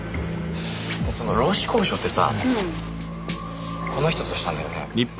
その労使交渉ってさこの人としたんだよね？